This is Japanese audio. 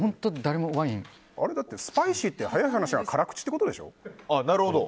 スパイシーって早い話辛口ってことでしょ。